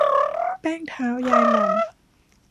แป้งเท้ายายม่อม